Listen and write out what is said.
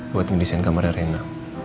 buat ngedesain kamarnya rena